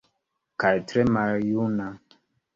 Kaj tre maljuna.